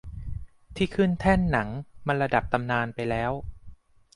ที่ขึ้นแท่นหนังมันระดับตำนานไปแล้ว